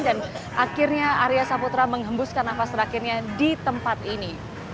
dan akhirnya area saputra menghembuskan nafas terakhirnya di tempat ini